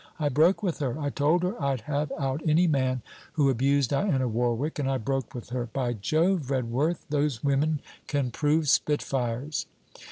I broke with her. I told her I'd have out any man who abused Diana Warwick, and I broke with her. By Jove! Redworth, those women can prove spitfires.